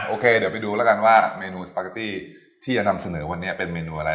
โอเคเดี๋ยวไปดูแล้วกันว่าเมนูสปาเกตตี้ที่จะนำเสนอวันนี้เป็นเมนูอะไร